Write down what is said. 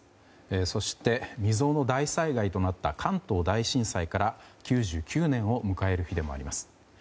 そして、未曽有の大災害となった関東大震災から９９年を迎える日でもあります。